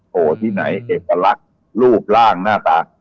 โหที่ไหนเอกลักษณ์รูปร่างหน้าตา